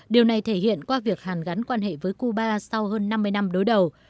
điều này thể hiện qua việc hàn gắn quan hệ với cuba sau hơn năm mươi năm đối đầu